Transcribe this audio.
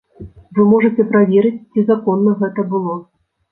Вы можаце праверыць, ці законна гэта было.